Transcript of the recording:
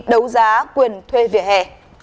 đấu giá quyền thuê vỉa hè